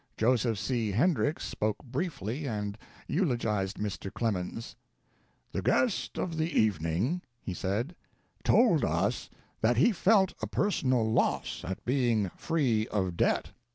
Joseph C. Hendrix spoke briefly and eulogized Mr. Clemens. "The guest of the evening," he said, "told us that he felt a personal loss at being free of debt.